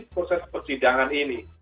proses persidangan ini